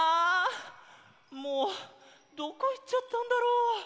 もうどこいっちゃったんだろ？